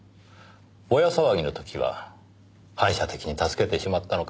ぼや騒ぎの時は反射的に助けてしまったのかもしれません。